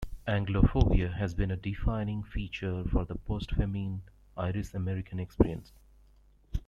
Anglophobia has been a defining feature of the post-famine Irish-American experience.